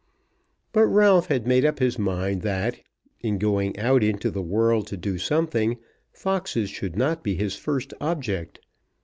But Ralph had made up his mind that, in going out into the world to do something, foxes should not be his first object.